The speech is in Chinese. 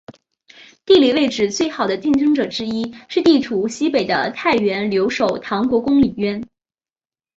地理位置最好的竞争者之一是地处西北的太原留守唐国公李渊。